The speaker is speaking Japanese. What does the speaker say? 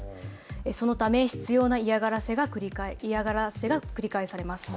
そのため執ような嫌がらせが繰り返されます。